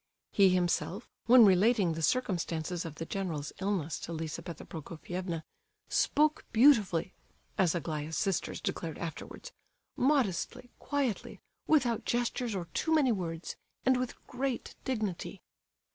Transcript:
He himself, when relating the circumstances of the general's illness to Lizabetha Prokofievna, "spoke beautifully," as Aglaya's sisters declared afterwards—"modestly, quietly, without gestures or too many words, and with great dignity."